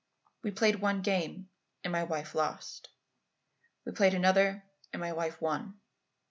"We played one game and my wife lost. We played another and my wife won.